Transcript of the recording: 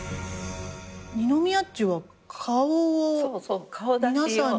二ノ宮っちは顔を。